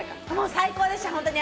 最高でした！